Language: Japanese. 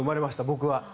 僕は。